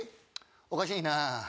おかしいな？